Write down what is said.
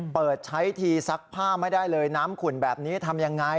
เปิดใช้ทีซักผ้าไม่ได้เลยน้ำขุ่นแบบนี้ทำยังไง